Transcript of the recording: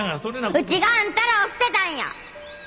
うちがあんたらを捨てたんや。